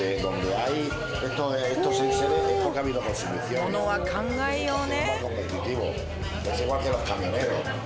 ものは考えようね。